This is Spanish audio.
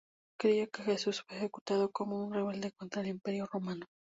Creía que Jesús fue ejecutado como un rebelde contra el Imperio Romano.